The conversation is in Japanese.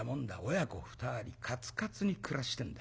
親子２人かつかつに暮らしてんだ。